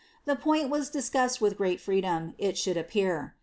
The point was discussed with great freedom, it should appear.